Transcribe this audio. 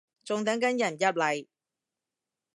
仲等緊人入嚟